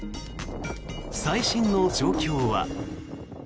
最新の状況は？